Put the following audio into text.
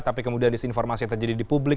tapi kemudian disini informasi yang terjadi di publik